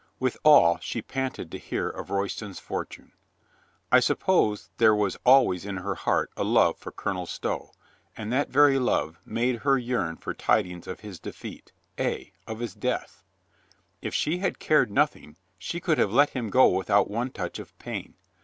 Withal she panted to hear of Royston's fortune. I suppose there was always in her heart a love for Colonel Stow, and that very love made her yearn for tidings of his defeat, ay, of his death, li she had cared nothing, she could have let him go without one touch of pain.